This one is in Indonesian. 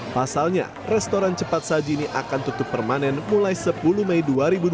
pasalnya restoran cepat saji ini akan tutup permanen mulai sepuluh mei dua ribu dua puluh pukul dua puluh dua wib